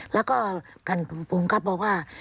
แล้วก็กันพุ่มครับบอกว่า